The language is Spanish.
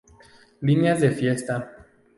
Líneas de fiesta.